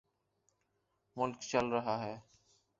ملک چل رہا ہے۔